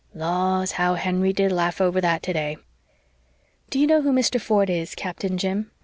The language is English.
Laws, how Henry did laugh over that today!" "Do you know who Mr. Ford is, Captain Jim?"